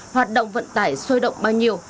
hoạt động vận tải sôi động bao nhiêu